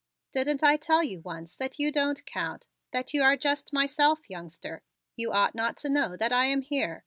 "Didn't I tell you once that you don't count, that you are just myself, youngster? You ought not to know I am here.